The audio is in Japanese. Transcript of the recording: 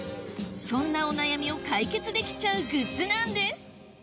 そんなお悩みを解決できちゃうグッズなんです